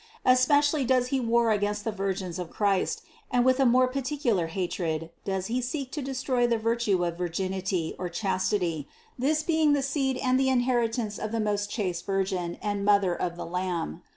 Especially does he war against the virgins of Christ, and with a more par ticular hatred does he seek to destroy the virtue of vir ginity or chastity, this being the seed and the inheritance of the most chaste Virgin and Mother of the Lamb.